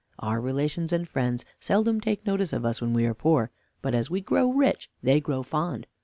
Our relations and friends seldom take notice of us when we are poor; but as we grow rich they grow fond.